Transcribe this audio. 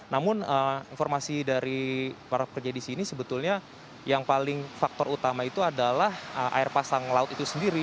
namun informasi dari para pekerja di sini sebetulnya yang paling faktor utama itu adalah air pasang laut itu sendiri